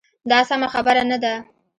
دا سمه خبره نه ده.